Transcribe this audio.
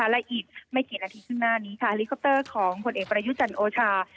และอีกไม่กี่นาทีข้างหน้านี้ค่ะเฮลิคอปเตอร์ของผลเอกประยุจันทร์โอชา